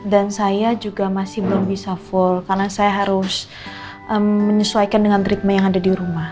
dan saya juga masih belum bisa full karena saya harus menyesuaikan dengan ritme yang ada di rumah